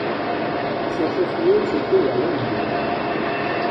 Son chef-lieu se trouve à Lund.